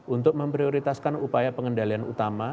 untuk memprioritaskan upaya pengendalian utama